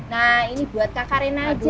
nah ini buat kak karin aja